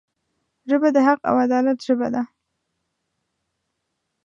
ژبه د حق او عدالت ژبه ده